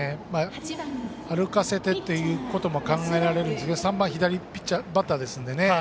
歩かせてということも考えられるんですけど３番は左バッターですのでね。